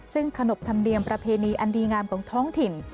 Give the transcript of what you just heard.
ซึ่งขนบธรรมเนียมประเพณีอันดีงามของท้องถิ่น